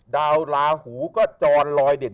ดาวลาหูก็จอนลอยเด่น